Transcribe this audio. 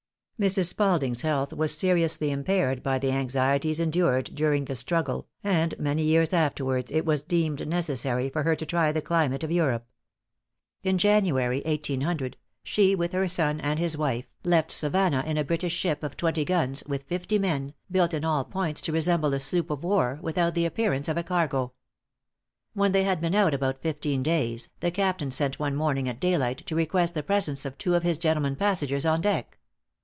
Mrs. Spalding's health was seriously impaired by the anxieties endured during the struggle, and many years afterwards it was deemed necessary for her to try the climate of Europe. In January, 1800, she, with her son and his wife, left Savannah in a British ship of twenty guns, with fifty men, built in all points to resemble a sloop of war, without the appearance of a cargo. When they had been out about fifteen days, the captain sent one morning at daylight, to request the presence of two of his gentlemen passengers on deck.